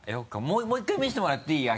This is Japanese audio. もう１回見せてもらっていい？